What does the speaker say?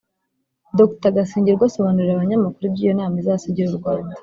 Dr Gasingirwa asobanurira abanyamakuru ibyo iyo nama izasigira u Rwanda